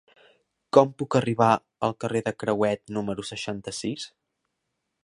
Com puc arribar al carrer de Crehuet número seixanta-sis?